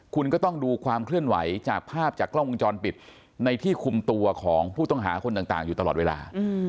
คุณก็ต้องดูความเคลื่อนไหวจากภาพจากกล้องวงจรปิดในที่คุมตัวของผู้ต้องหาคนต่างอยู่ตลอดเวลา